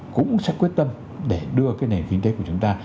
cũng sẽ quyết tâm để đưa cái nền kinh tế của chúng ta